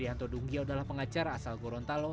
febrianto dungio adalah pengacara asal gorontalo